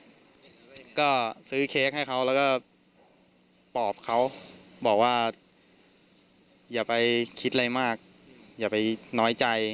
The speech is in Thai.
ก็ซื้อเค้กให้เขาแล้วก็ปอบเขาบอกว่าอย่าไปคิดอะไรมากอย่าไปน้อยใจ